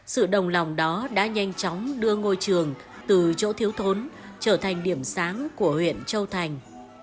sự đồng lòng đó đã nhanh chóng đưa ngôi trường từ chỗ thiếu thốn trở thành điểm sáng của huyện châu thành